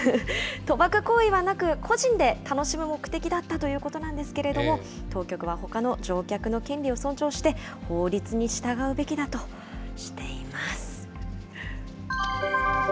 賭博行為はなく、個人で楽しむ目的だったということなんですけれども、当局はほかの乗客の権利を尊重して、法律に従うべきだとしています。